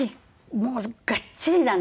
もうがっちりなの。